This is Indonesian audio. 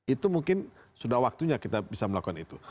itu mungkin sudah waktunya kita bisa melakukan itu